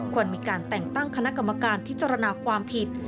ควรมีการแต่งตั้งคณะกรรมการพิจารณาความผิด